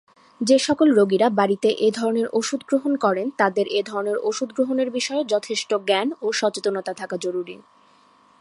যেসকল রোগীরা বাড়িতে এ ধরনের ওষুধ গ্রহণ করেন তাদের এ ধরনের ওষুধ গ্রহণের বিষয়ে যথেষ্ট জ্ঞান ও সচেতনতা থাকা জরুরী।